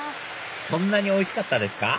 そんなにおいしかったですか？